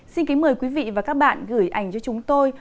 xin kính mời quý vị và các bạn gửi ảnh cho chúng tôi